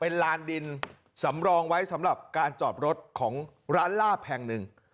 เป็นลานดินสำรองไว้สำหรับการจอดรถของร้านลาบแห่งหนึ่ง